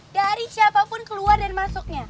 dari siapapun keluar dan masuknya